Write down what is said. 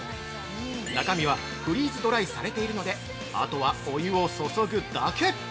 中身はフリーズドライされているのであとは、お湯を注ぐだけ。